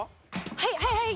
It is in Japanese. はいはいはい！